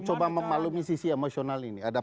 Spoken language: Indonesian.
coba memaklumi sisi emosional ini ada